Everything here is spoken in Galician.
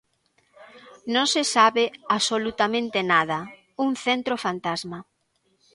Non se sabe absolutamente nada, un centro fantasma.